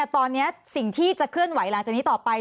ตอนนี้สิ่งที่จะเคลื่อนไหวหลังจากนี้ต่อไป